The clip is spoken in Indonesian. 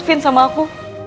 fin sama aku